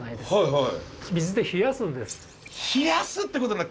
はい。